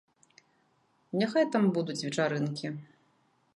Няхай там будуць вечарынкі.